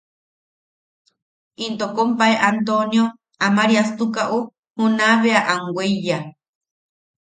Into kompae Antonio Amariastukaʼu juna bea am weiya.